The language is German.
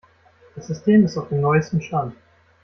Das System ist auf dem neuesten Stand.